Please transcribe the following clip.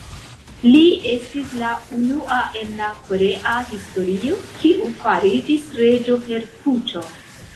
Li estis la unua en la korea historio, kiu fariĝis reĝo per puĉo.